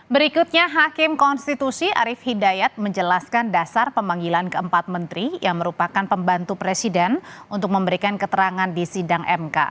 berikutnya hakim konstitusi arief hidayat menjelaskan dasar pemanggilan keempat menteri yang merupakan pembantu presiden untuk memberikan keterangan di sidang mk